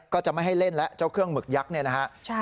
ก็จะไม่ให้เล่นแล้วเจ้าเครื่องหมึกยักษ์เนี่ยนะฮะ